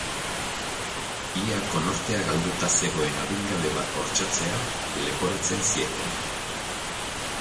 Ia konortea galduta zegoen adingabe bat bortxatzea leporatzen zieten.